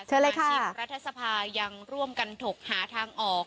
เชิญเลยค่ะค่ะสหรัฐสภายังร่วมกันถกหาทางออก